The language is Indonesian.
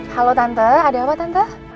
halo tante ada apa tante